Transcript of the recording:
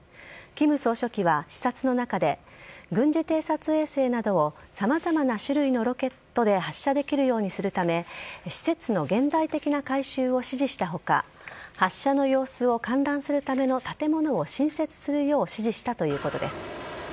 金総書記は視察の中で軍事偵察衛星などを様々な種類のロケットで発射できるようにするため施設の現代的な改修を指示した他発射の様子を観覧するための建物を新設するよう指示したということです。